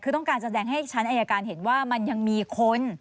คือต้องการแสดงให้ชั้นอายการเห็นว่ามันยังมีคน